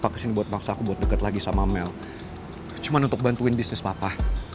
kamu gak mau bantu papa